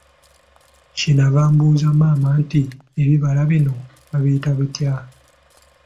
Kye nnava mbuuza maama nti, ebibala bino babiyita batya?